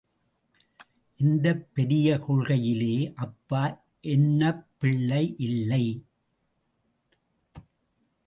இந்தப் பெரிய கொள்ளையிலே அப்பா என்னப் பிள்ளை இல்லை.